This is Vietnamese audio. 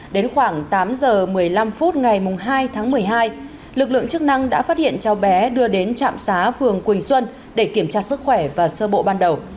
đến khoảng tám giờ một mươi năm phút ngày hai tháng một mươi hai lực lượng chức năng đã phát hiện cháu bé đưa đến trạm xá phường quỳnh xuân để kiểm tra sức khỏe và sơ bộ ban đầu